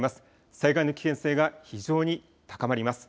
災害の危険性が非常に高まります。